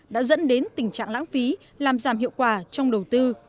đã dẫn đến tình trạng lãng phí làm giảm hiệu quả trong đầu tư